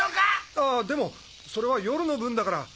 あぁでもそれは夜の分だから。